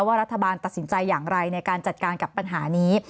รัฐบาลตัดสินใจอย่างไรในการจัดการกับปัญหานี้